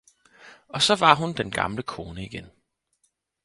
Og så var hun den gamle kone igen